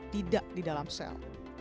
tidak di dalam sel